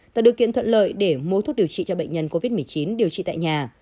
tạo điều kiện thuận lợi để mua thuốc điều trị cho bệnh nhân covid một mươi chín điều trị tại nhà